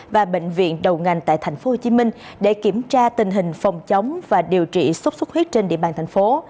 và bệnh viện đầu ngành tại tp hcm để kiểm tra tình hình phòng chống và điều trị sốt xuất huyết trên địa bàn thành phố